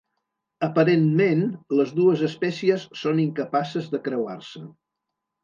Aparentment les dues espècies són incapaces de creuar-se.